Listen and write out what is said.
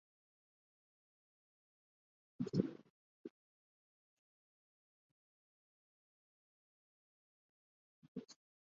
তিনি ভালো গান করতেন।